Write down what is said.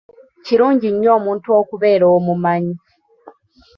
Kirungi nnyo omuntu okubeera omumanyi.